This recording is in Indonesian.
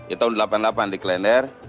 itu tahun delapan puluh delapan di klender